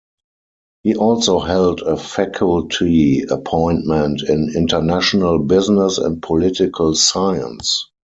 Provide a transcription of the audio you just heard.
He also held a faculty appointment in international business and political science.